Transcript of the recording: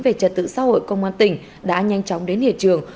về trả tự xã hội công an tỉnh đã nhanh chóng đến hiệp trường